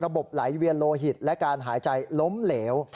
ไหลเวียนโลหิตและการหายใจล้มเหลว